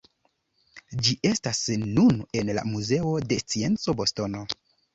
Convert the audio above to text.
Ĝi estas nun en la muzeo de scienco, Bostono.